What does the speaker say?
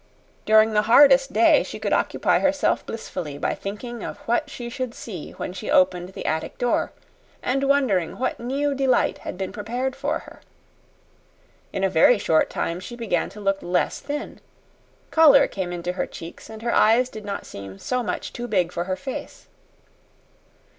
During the hardest day she could occupy herself blissfully by thinking of what she should see when she opened the attic door, and wondering what new delight had been prepared for her. In a very short time she began to look less thin. Color came into her cheeks, and her eyes did not seem so much too big for her face.